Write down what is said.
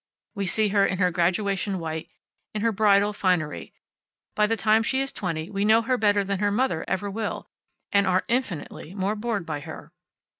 We see her in her graduation white, in her bridal finery. By the time she is twenty we know her better than her mother ever will, and are infinitely more bored by her.